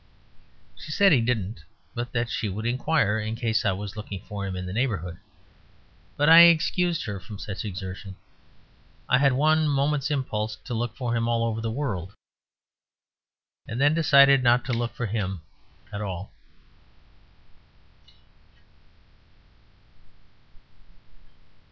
She said he didn't; but that she would inquire, in case I was looking for him in the neighbourhood; but I excused her from such exertion. I had one moment's impulse to look for him all over the world; and then decided not to look for him at all.